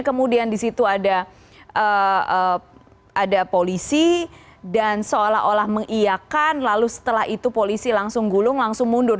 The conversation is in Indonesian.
kemudian di situ ada polisi dan seolah olah mengiakan lalu setelah itu polisi langsung gulung langsung mundur